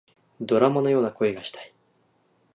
ドラマのような恋がしたい